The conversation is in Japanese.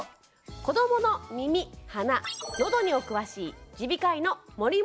子どもの耳鼻のどにお詳しい耳鼻科医の守本倫子さんです。